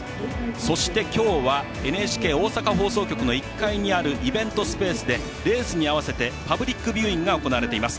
そして、今日はＮＨＫ大阪放送局の１階にあるイベントスペースでレースに合わせてパブリックビューイングが行われています。